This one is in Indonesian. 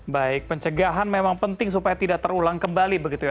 baik pencegahan memang penting supaya tidak terulang kembali begitu ya